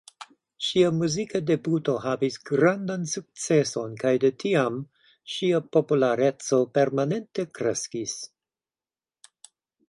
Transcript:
Ŝia muzika debuto havis grandan sukceson kaj de tiam ŝia populareco permanente kreskis.